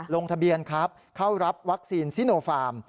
ลงทะเบียนครับเข้ารับวัคซีนซิโนฟาร์ม